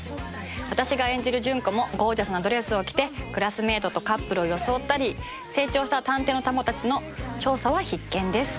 私が演じる純子もゴージャスなドレスを着てクラスメートとカップルを装ったり成長した探偵の卵たちの調査は必見です。